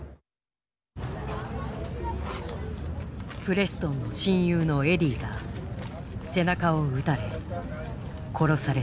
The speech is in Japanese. プレストンの親友のエディが背中を撃たれ殺された。